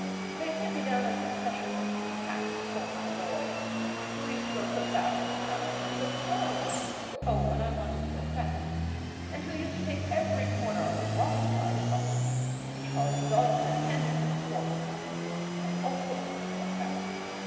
They sent me down a succession of compact, scornful boys who used to go fast when I wanted to go slow, and slow when I wanted to go fast, and who used to take every corner on the wrong side at top speed, and charge dogs and hens for the sport of it, and all sorts of things like that.